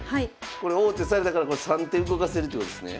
これ王手されたから３手動かせるってことですね？